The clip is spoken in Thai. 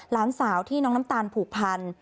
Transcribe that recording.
หลานสาวที่น้องน้ำตาลผูกพัน